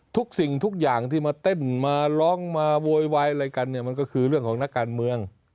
ทุกสิ่งทุกอย่างที่มาเต้นมาร้องมาโวยวายอะไรกันเนี่ยมันก็คือเรื่องของนักการเมือง